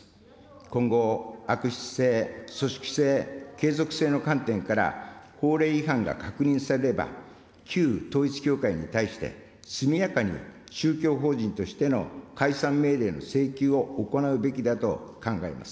今後、悪質性、組織性、継続性の観点から、法令違反が確認されれば、旧統一教会に対して、速やかに宗教法人としての解散命令の請求を行うべきだと考えます。